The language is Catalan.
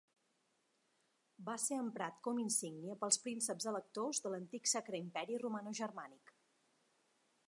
Va ser emprat com insígnia pels prínceps electors de l'antic Sacre Imperi Romanogermànic.